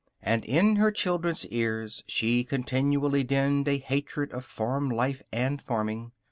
And in her children's ears she continually dinned a hatred of farm life and farming.